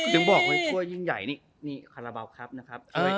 ถึงบอกเลยถ้วยยิ่งใหญ่นี่นี่คาราบาลครับนะครับ